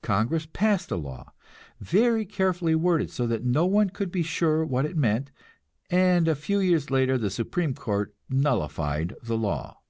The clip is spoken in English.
Congress passed a law, very carefully worded so that no one could be sure what it meant, and a few years later the Supreme Court nullified the law.